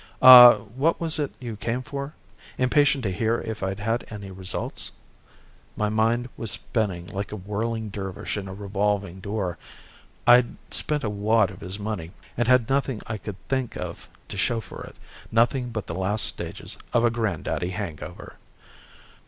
Ah, what was it you came for? Impatient to hear if I'd had any results?" My mind was spinning like a whirling dervish in a revolving door. I'd spent a wad of his money and had nothing I could think of to show for it; nothing but the last stages of a grand daddy hangover.